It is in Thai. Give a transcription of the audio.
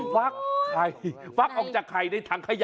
ฟักใครฟักออกจากใครในถังขยะ